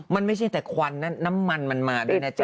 มันไม่ใช่แต่ควันนะน้ำมันมันมาด้วยนะจ๊